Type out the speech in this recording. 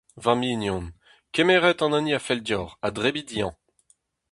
Va mignon, kemerit an hini a fell deoc'h ha debrit eñ.